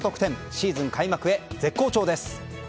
シーズン開幕へ絶好調です。